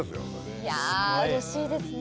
いやうれしいですね。